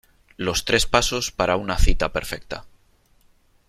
los tres pasos para una cita perfecta .